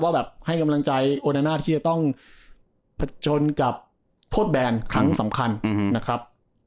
แบบให้กำลังใจโอนาน่าที่จะต้องผจญกับโทษแบนครั้งสำคัญนะครับ